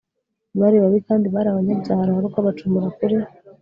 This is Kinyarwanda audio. bari babi kandi bari abanyabyaha ruharwa bacumura kuri